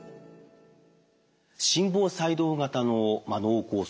心房細動型の脳梗塞